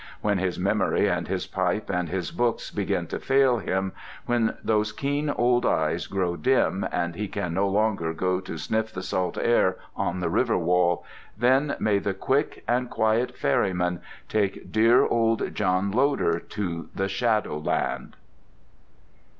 When his memory and his pipe and his books begin to fail him, when those keen old eyes grow dim and he can no longer go to sniff the salt air on the river wall—then may the quick and quiet ferryman take dear old John Loder to the shadow land."